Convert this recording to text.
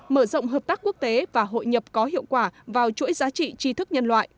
mở rộng hợp tác quốc tế và hội nhập có hiệu quả vào chuỗi giá trị tri thức nhân loại